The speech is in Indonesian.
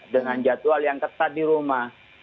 dengan jadwal yang ketat di rumah